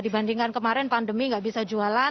dibandingkan kemarin pandemi nggak bisa jualan